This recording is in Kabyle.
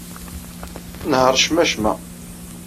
Nheṛ cmacma.